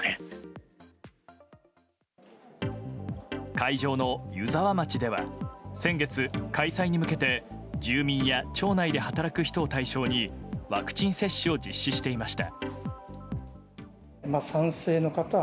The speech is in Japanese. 会場の湯沢町では先月、開催に向けて住民や町内で働く人を対象にワクチン接種を実施していました。